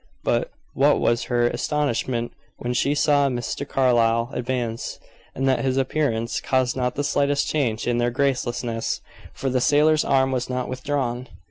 But, what was her astonishment when she saw Mr. Carlyle advance, and that his appearance caused not the slightest change in their gracelessness, for the sailor's arm was not withdrawn.